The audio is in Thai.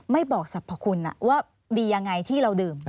ไม่บอกสรรพคุณว่าดียังไงที่เราดื่ม